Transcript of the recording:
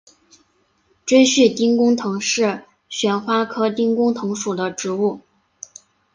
锥序丁公藤是旋花科丁公藤属的植物。